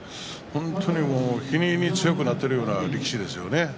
本当に日に日に強くなっているような力士ですね。